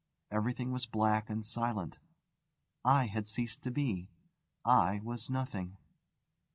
Everything was black and silent. I had ceased to be. I was nothing.